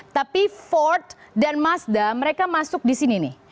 tapi ford dan mazda mereka masuk di sini nih